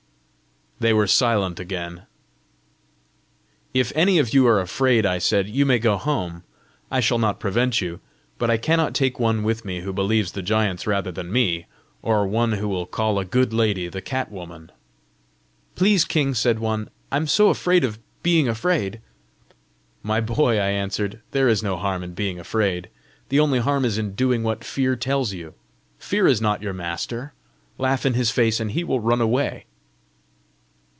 They were silent again. "If any of you are afraid," I said, "you may go home; I shall not prevent you. But I cannot take one with me who believes the giants rather than me, or one who will call a good lady the cat woman!" "Please, king," said one, "I'm so afraid of being afraid!" "My boy," I answered, "there is no harm in being afraid. The only harm is in doing what Fear tells you. Fear is not your master! Laugh in his face and he will run away."